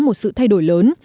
một sự thay đổi lớn